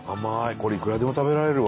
これいくらでも食べられるわ。